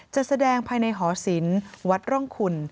จะแสดงภายในหอศิลป์วัดร่องคุณ